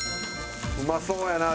うまそうやな。